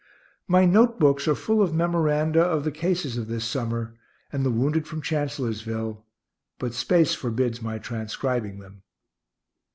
My note books are full of memoranda of the cases of this summer, and the wounded from Chancellorsville, but space forbids my transcribing them.